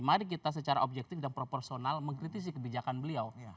mari kita secara objektif dan proporsional mengkritisi kebijakan beliau